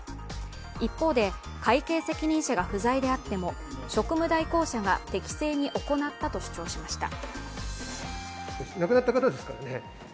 一方で、会計責任者が不在であっても職務代行者が適正に行ったと主張しました。